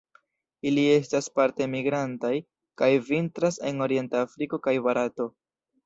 Ili estas parte migrantaj, kaj vintras en orienta Afriko kaj Barato.